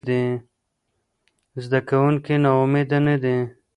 زده کوونکي ناامیده نه دي.